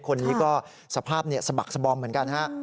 คนนี้ก็สภาพสะบักสบอมเหมือนกันฮะ